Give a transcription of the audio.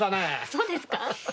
そうですか？